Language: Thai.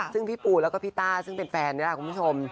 ซึ่งพี่ปูแล้วก็พี่ต้าซึ่งเป็นแฟนนี่แหละคุณผู้ชม